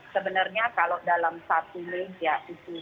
sebenarnya kalau dalam satu leg ya itu satu jam